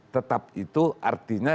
tetap itu artinya